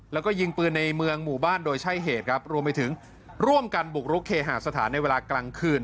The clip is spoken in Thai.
แล้วก็ยิงปืนในเมืองหมู่บ้านโดยใช่เหตุครับรวมไปถึงร่วมกันบุกรุกเคหาสถานในเวลากลางคืน